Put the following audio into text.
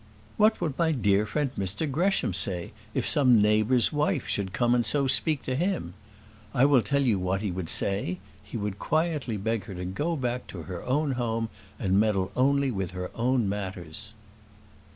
What would my dear friend Mr Gresham say, if some neighbour's wife should come and so speak to him? I will tell you what he would say: he would quietly beg her to go back to her own home and meddle only with her own matters."